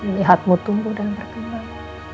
lihatmu tumbuh dan berkembang